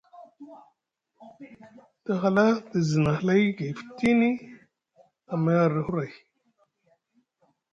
Te hala te zizina hlay gay futini amay arɗi huray.